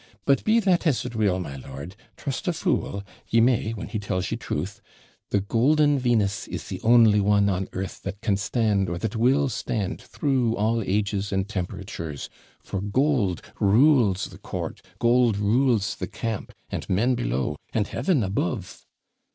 But, be that as it will, my lord, trust a fool ye may, when he tells you truth the golden Venus is the only one on earth that can stand, or that will stand, through all ages and temperatures; for gold rules the court, gold rules the camp, and men below, and heaven above.'